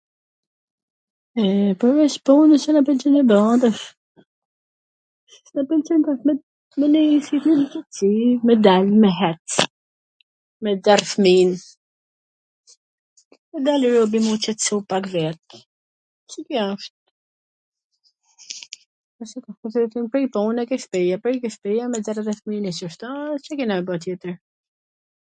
E, pwrveC punws na pwlqen edhe me dal tash... na pwlqen me ndenj n qetsi, me dal, me hec, me dal fmin, me dal robi m u qetsu pak vet, pse ky asht... prej pune ke shpija, prej shpie merr edhe fmin qishta ... Ca kena me ba tjetwr?